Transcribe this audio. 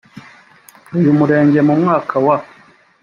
uyu murenge mu mwaka wa